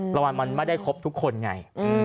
รางวัลมันไม่ได้ครบทุกคนไง